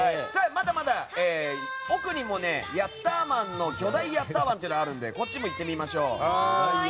まだまだ奥にもヤッターマンの巨大ヤッターワンというのがあるので、行ってみましょう。